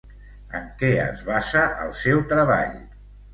En què es basa el seu treball?